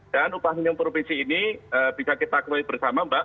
dan upah minyum provinsi ini bisa kita kembali bersama mbak